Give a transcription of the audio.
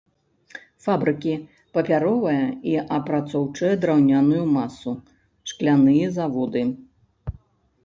Фабрыкі, папяровая і апрацоўчая драўняную масу, шкляныя заводы.